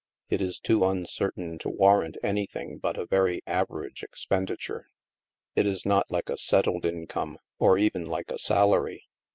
It is too uncertain to warrant anything but a very average expenditure.. It is not like a settled income, or even like a salary.